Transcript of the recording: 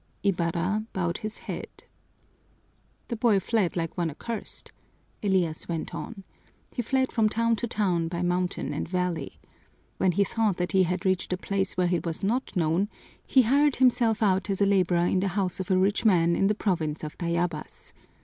Ibarra bowed his head. "The boy fled like one accursed," Elias went on. "He fled from town to town by mountain and valley. When he thought that he had reached a place where he was not known, he hired himself out as a laborer in the house of a rich man in the province of Tayabas.